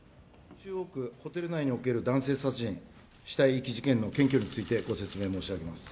ホテル内における男性殺人・死体遺棄事件の検挙についてご説明申し上げます。